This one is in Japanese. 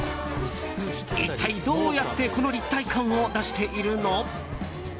一体どうやってこの立体感を出しているの？